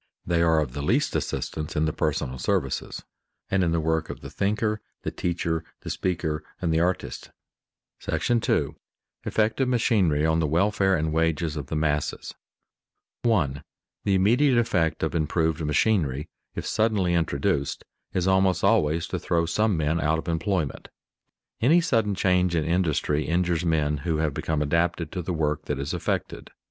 They are of the least assistance in the personal services, and in the work of the thinker, the teacher, the speaker, and the artist. § II. EFFECT OF MACHINERY ON THE WELFARE AND WAGES OF THE MASSES [Sidenote: Evil of sudden introduction of machinery] 1. _The immediate effect of improved machinery, if suddenly introduced, is almost always to throw some men out of employment._ Any sudden change in industry injures men who have become adapted to the work that is affected.